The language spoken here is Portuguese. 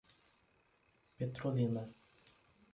Petrolina